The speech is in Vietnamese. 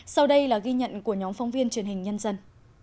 sau đây là ghi nhận của nhóm phóng viên truyền hình nhân dân